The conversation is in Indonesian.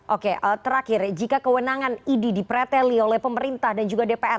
oke terakhir jika kewenangan idi dipreteli oleh pemerintah dan juga dpr